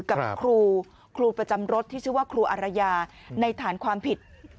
กับครูครูประจำรถที่ชื่อว่าครูอารยาในฐานความผิด